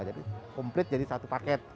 jadi komplit jadi satu paket